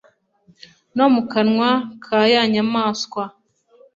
no mu kanwa ka ya nyamaswa,